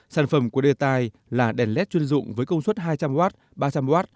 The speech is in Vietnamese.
sản phẩm của đề tài là đèn led chuyên dụng với công suất hai trăm linh w ba trăm linh w